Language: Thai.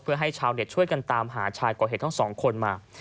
เพื่อให้ชาวเน็ตช่วยกันตามหาชายก่อเหตุทั้งสองคนมา